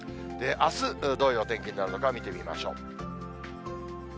あす、どういうお天気になるのか見てみましょう。